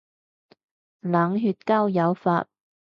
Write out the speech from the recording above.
冷血交友法